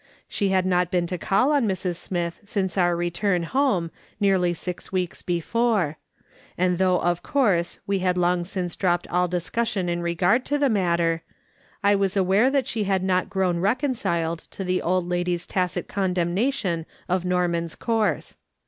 She had not been to call on Mrs. Smith since our return home, nearly six weeks before ; and thougli of course we had long since dropped all discussion in regard to the matter, I was aware that she had not ^rowu reconciled to the old lady's tacit condemnation of s2 26o MJiS. SOLOMON SMITH LOOKING ON. Norman's course.